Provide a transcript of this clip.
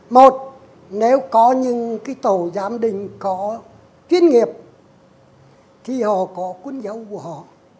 một nếu có những cái tổ giám định có chuyên nghiệp thì họ có cuốn dấu của họ